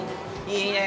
◆いいね。